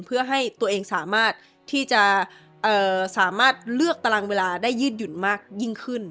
เพื่อให้ตัวเองสามารถที่จะสามารถเลือกตารางเวลาได้ยืดหยุ่นมากยิ่งขึ้น